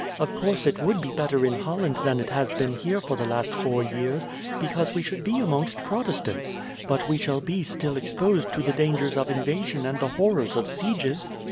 Of course it would be better in Holland than it has been here for the last four years, because we should be amongst Protestants; but we should be still exposed to the dangers of invasion and the horrors of sieges."